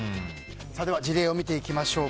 事例を見ていきましょう。